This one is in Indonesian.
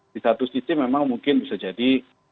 di satu sisi memang mungkin bisa jadi